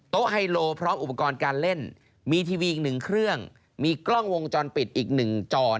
ไฮโลพร้อมอุปกรณ์การเล่นมีทีวีอีกหนึ่งเครื่องมีกล้องวงจรปิดอีก๑จอ